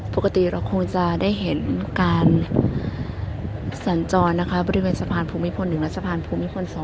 ปกติเราคงจะได้เห็นการสัญจรนะคะบริเวณสะพานภูมิพล๑และสะพานภูมิพล๒